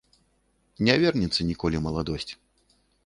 Не вернецца ніколі маладосць.